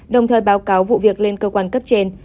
đồng thời báo cáo vụ việc lên cơ quan cấp trên